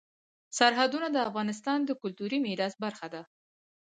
سرحدونه د افغانستان د کلتوري میراث برخه ده.